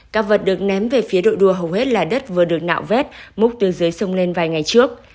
các vật được ném về phía đội đua hầu hết là đất vừa được nạo vét múc từ dưới sông lên vài ngày trước